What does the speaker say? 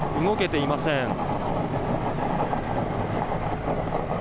動けていません。